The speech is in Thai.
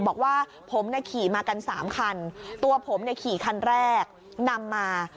บอกว่าผมขี่มากันสามคันตัวผมเนี่ยขี่คันแรกนำมา